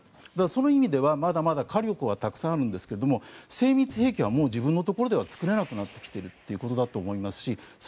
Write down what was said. その意味では、まだまだ火力はたくさんあるんですが精密兵器は自分のところでは作れなくなってきていると。